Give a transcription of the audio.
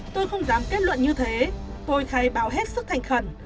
tôi không dám kết luận như thế tôi khai báo hết sức thành khẩn